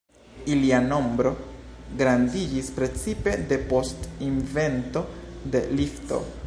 Ilia nombro grandiĝis precipe depost invento de lifto.